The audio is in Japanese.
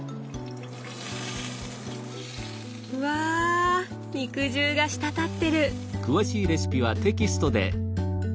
うわ肉汁が滴ってる！